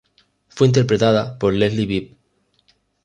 Fue interpretada por Leslie Bibb.